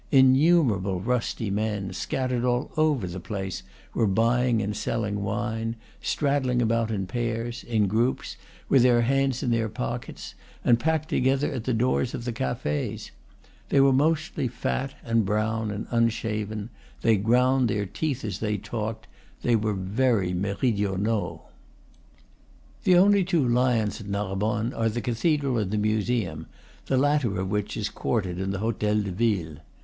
In numerable rusty men, scattered all over the place, were buying and selling wine, straddling about in pairs, in groups, with their hands in their pockets, and packed together at the doors of the cafes. They were mostly fat and brown and unshaven; they ground their teeth as they talked; they were very meridionaux. The only two lions at Narbonne are the cathedral and the museum, the latter of which is quartered in the hotel de ville.